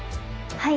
はい。